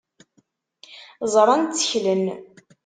Ẓran, tteklen.